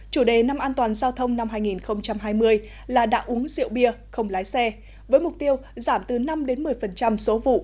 chủ đề năm an toàn giao thông năm hai nghìn hai mươi là đã uống rượu bia không lái xe với mục tiêu giảm từ năm một mươi số vụ